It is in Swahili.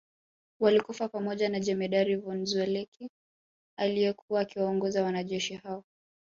Walikufa pamoja na Jemedari von Zelewski aliyekuwa akiwaongoza wanajeshi hao